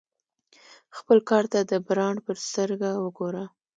خپل کار ته د برانډ په سترګه وګوره.